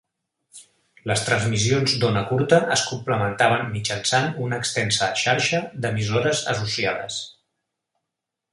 Les transmissions d"ona curta es complementaven mitjançant una extensa xarxa de emissores associades.